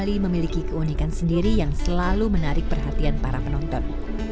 bali memiliki keunikan sendiri yang selalu menarik perhatian para penonton